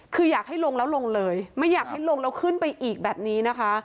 คืออยากให้ลงแล้วลงเลยไม่อยากให้ลงแล้วขึ้นไปอีกแบบนี้นะคะ